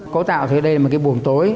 cổ tạo thế đây là một cái buồng tối